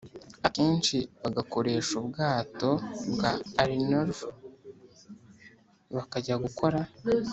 akenshi bagakoresha ubwato bwa Arnulf bakajya gukora